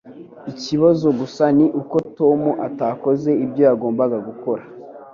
Ikibazo gusa ni uko Tom atakoze ibyo yagombaga gukora.